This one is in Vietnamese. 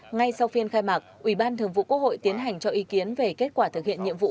ngay sau phiên khai mạc ủy ban thường vụ quốc hội tiến hành cho ý kiến về kết quả thực hiện nhiệm vụ